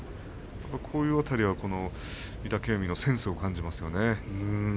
この辺りは御嶽海のセンスを感じます。